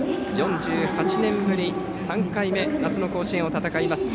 ４８年ぶり３回目夏の甲子園を戦います